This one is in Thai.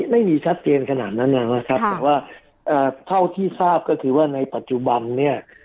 ไม่มีชัดเจนขนาดนั้นนะครับแต่ว่าเท่าที่ทราบก็คือว่าในปัจจุบันเนี่ย